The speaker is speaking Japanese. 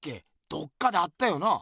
どっかで会ったよなあ？